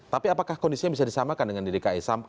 tapi apakah kondisinya bisa disamakan dengan dpi